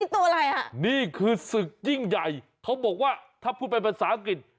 ตัวอะไรอ่ะนี่คือศึกยิ่งใหญ่เขาบอกว่าถ้าพูดเป็นภาษาอังกฤษ